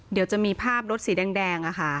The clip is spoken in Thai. เดี๋ยวจะมีภาพรถสีแดง